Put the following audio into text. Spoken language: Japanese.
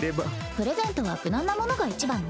プレゼントは無難なものがいちばんね。